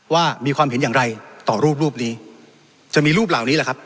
ว่ามีความเห็นอย่างไรต่อรูปรูปนี้จะมีรูปเหล่านี้แหละครับ